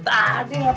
gak ada orang